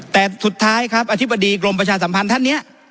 แต่สุดท้ายครับอธิบดีกรมประชาสัมพันธ์ท่านเนี่ย